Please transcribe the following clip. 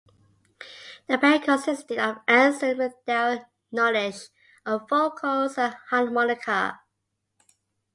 The band consisted of Anson, with Darrell Nulisch on vocals and harmonica.